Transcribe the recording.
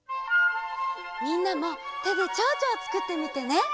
みんなもてでちょうちょをつくってみてね。